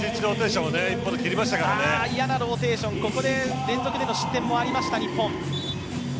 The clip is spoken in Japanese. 嫌なローテーション、ここで連続での失点もありました、日本。